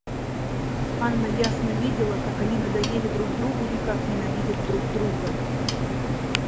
Анна ясно видела, как они надоели друг другу и как ненавидят друг друга.